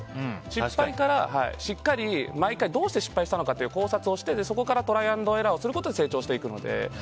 失敗からしっかり毎回どうして失敗したのかという考察をして、そこからトライアンドエラーをして成長していくので。